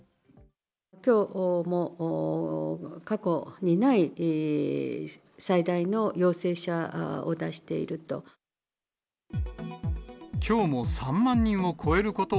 きょうも過去にない最大の陽性者を出していると。